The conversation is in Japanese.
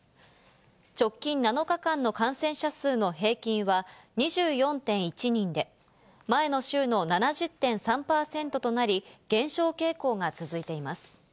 直近７日間の感染者数の平均は２４．１人で、前の週の７０．３％となり、減少傾向が続いています。